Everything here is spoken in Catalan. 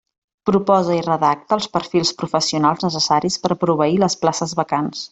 Proposa i redacta els perfils professionals necessaris per proveir les places vacants.